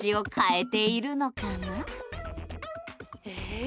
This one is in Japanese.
ええ？